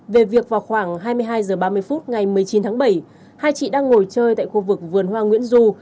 về việc vào khoảng hai mươi hai h ba mươi phút ngày một mươi chín tháng bảy hai chị đang ngồi chơi tại khu vực vườn hoa nguyễn du